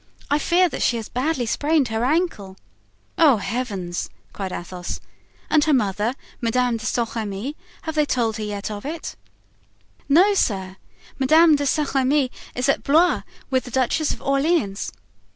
I fear that she has badly sprained her ankle." "Oh, heavens!" cried Athos. "And her mother, Madame de Saint Remy, have they yet told her of it?" "No, sir, Madame de Saint Remy is at Blois with the Duchess of Orleans.